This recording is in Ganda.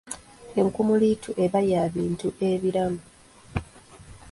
Enkumuliitu eba ya bintu ebiramu.